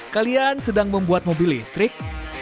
kalian sedang membuat mobil listrik